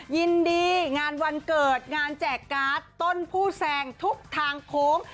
ยินดีงานวันเกิดงานแจกการ์ดต้นผู้แซงทุกทางโค้ง